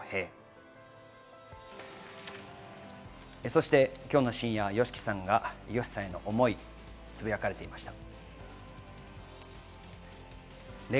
そして今日の深夜、ＹＯＳＨＩＫＩさんがＹＯＳＨＩさんへの思い、つぶやかれていました。